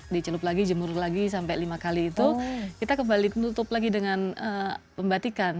dicelup lagi jemur lagi sampai lima kali itu kita kembali tutup lagi dengan pembatikan